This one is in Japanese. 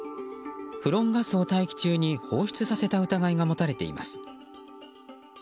フロンガスを大気中に放出させた疑いが持たれています。